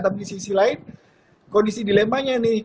tapi di sisi lain kondisi dilemanya nih